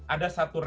ada satu reaksinya